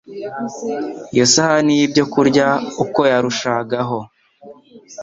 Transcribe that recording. iyo sahani y’ibyokurya Uko yarushagaho